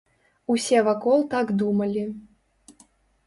Усе вакол так думалі.